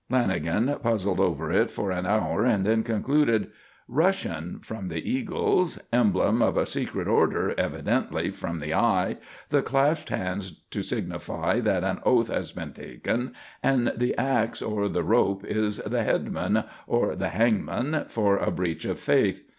Lanagan puzzled over it for an hour and then concluded: "Russian, from the eagles; emblem of a secret order, evidently, from the eye; the clasped hands to signify that an oath has been taken and the axe or the rope is the headsman, or the hangman, for a breach of faith.